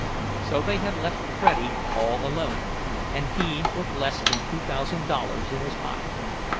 So they had left Freddie all alone, and he with less than two thousand dollars in his pocket.